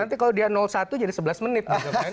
nanti kalau dia satu jadi sebelas menit